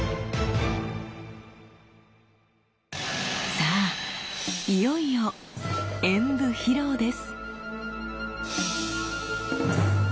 さあいよいよ演舞披露です。